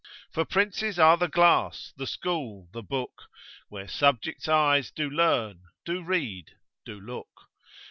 For Princes are the glass, the school, the book, Where subjects' eyes do learn, do read, do look.